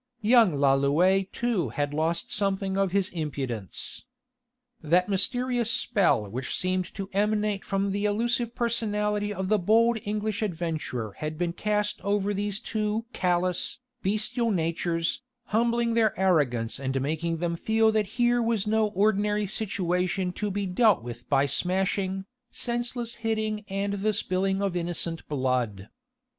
Young Lalouët too had lost something of his impudence. That mysterious spell which seemed to emanate from the elusive personality of the bold English adventurer had been cast over these two callous, bestial natures, humbling their arrogance and making them feel that here was no ordinary situation to be dealt with by smashing, senseless hitting and the spilling of innocent blood.